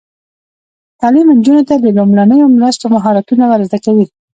تعلیم نجونو ته د لومړنیو مرستو مهارتونه ور زده کوي.